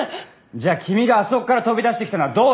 じゃあ君があそこから飛び出してきたのはどうして！？